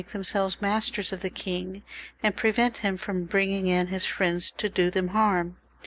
401 themselves masters of the king, and prevent him from bringing in his friends to do them harm.